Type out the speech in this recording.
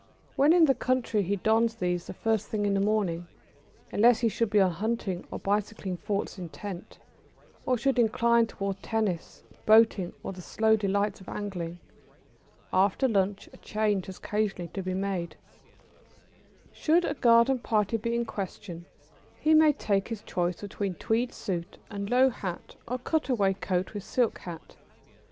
When in the country he dons these the first thing in the morning, unless he should be on hunting or bicycling thoughts intent, or should incline towards tennis, boating, or the slow delights of angling. After lunch a change has occasionally to be made. [Sidenote: At a garden party.] Should a garden party be in question, he may take his choice between tweed suit and low hat or cutaway coat with silk hat.